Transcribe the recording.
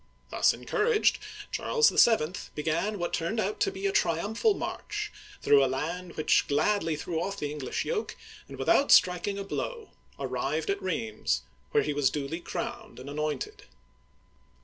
Thus encouraged, Charles VII. began what turned out to be a triumphal march, through a land which gladly threw off the English yoke, and without striking a blow arrived at Rheims, where he was duly crowned and anointed.